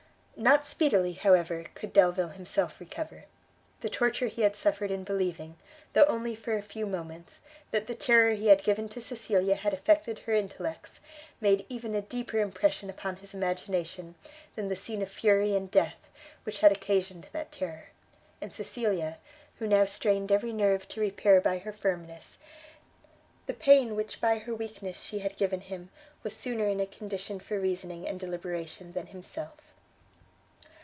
Not speedily, however, could Delvile himself recover. The torture he had suffered in believing, though only for a few moments, that the terror he had given to Cecilia had affected her intellects, made even a deeper impression upon his imagination, than the scene of fury and death, which had occasioned that terror: and Cecilia, who now strained every nerve to repair by her firmness, the pain which by her weakness she had given him, was sooner in a condition for reasoning and deliberation than himself.